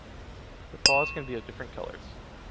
The paws can be of different colors.